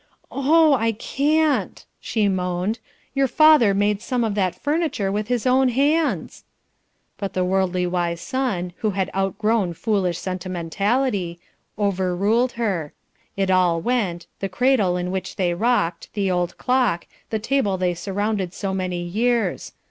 "Oh, I can't," she moaned. "Your father made some of that furniture with his own hands," but the worldly wise son, who had outgrown "foolish sentimentality," over ruled her. It all went, the cradle in which they rocked, the old clock, the table they surrounded so many years.